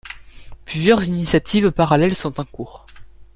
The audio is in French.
Plusieurs initiatives parallèles sont en cours.